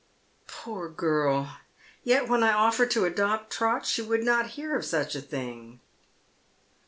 " Poor girl ! Yet when I offered to adopt Trot, she ■would not Hear of such a thing."